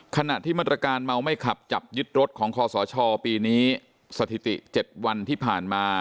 ขณะที่มาตรการเมาไม่ขับจับยึดรถของคอสชปีนี้สถิติ๗วันที่ผ่านมา